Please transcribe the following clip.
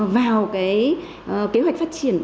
vào kế hoạch phát triển